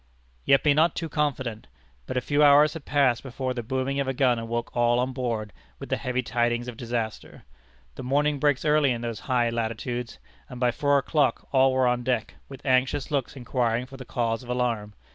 Yet be not too confident. But a few hours had passed before the booming of a gun awoke all on board with the heavy tidings of disaster. The morning breaks early in those high latitudes, and by four o'clock all were on deck, with anxious looks inquiring for the cause of alarm.